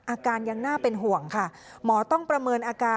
อาการยังน่าเป็นห่วงค่ะ